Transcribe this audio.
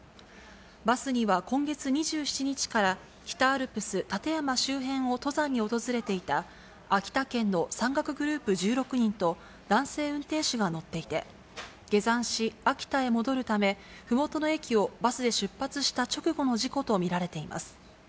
バスには今月２７日から北アルプス立山周辺を登山に訪れていた秋田県の山岳グループ１６人と、男性運転手が乗っていて、下山し、秋田へ戻るためふもとの駅をバスで出発した直後の事故と見られています。